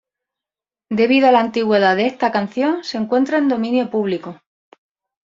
Debido a la antigüedad de esta canción, se encuentra en Dominio Público.